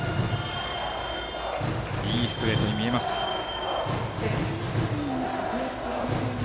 いいストレートに見えます、湯田。